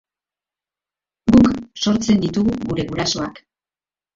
Guk sortzen ditugu gure gurasoak.